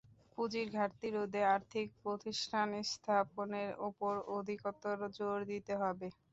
পুঁজির ঘাটতি রোধে আর্থিক প্রতিষ্ঠান স্থাপনের ওপর অধিকতর জোর দিতে হবে।